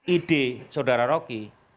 ide saudara roki